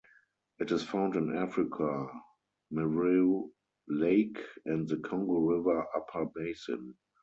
It is found in Africa: Mweru Lake and the Congo River upper basin.